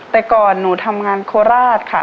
แต่ก่อนหนูทำงานโคราชค่ะ